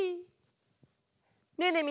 ねえねえ